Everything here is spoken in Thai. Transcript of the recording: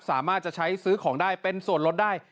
สามารถจะใช้ซื้อของได้เป็นส่วนลดได้